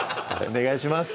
お願いします